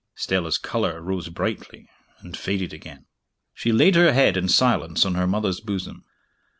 Stella's color rose brightly, and faded again. She laid her head in silence on her mother's bosom.